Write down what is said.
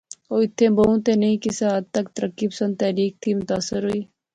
او ایتھیں بہوں تہ نئیں کسے حد تک ترقی پسند تحریک تھی متاثر ہوئی